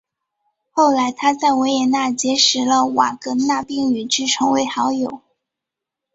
后来他在维也纳结识了瓦格纳并与之成为好友。